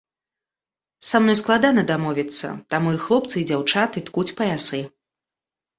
Са мной складана дамовіцца, таму і хлопцы і дзяўчаты ткуць паясы.